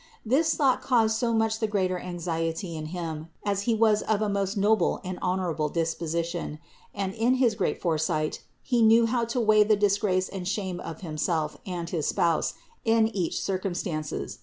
This thought caused so much the greater anxiety in him, as he was of a most noble and honorable disposition, and in his great foresight he knew how to weigh the dis grace and shame of himself and his Spouse in each cir cumstances.